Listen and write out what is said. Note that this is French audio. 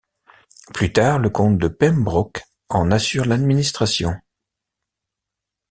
Plus tard, le comte de Pembroke en assure l'administration.